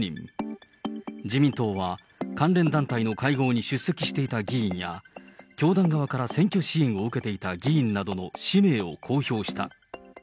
自民党は関連団体の会合に出席していた議員や、教団側から選挙支援を受けていた議員などの氏名を公表した。